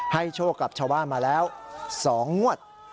โชคกับชาวบ้านมาแล้ว๒งวด